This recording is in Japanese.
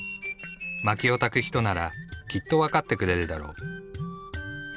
薪を焚く人ならきっと分かってくれるだろう。